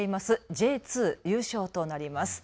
Ｊ２優勝となります。